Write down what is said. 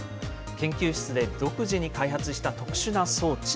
研究室で独自に開発した特殊な装置。